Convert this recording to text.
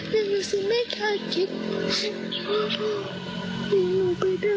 ไม่ว่าสิ่งเป็นเกิดเหล้าหนึ่ง